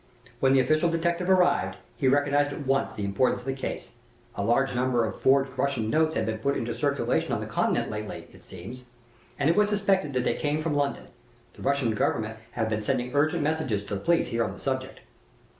When the official detective arrived, he recognized at once the importance of the case. A large number of forged Russian notes have been put into circulation on the Continent lately, it seems, and it was suspected that they came from London. The Russian Government have been sending urgent messages to the police here on the subject.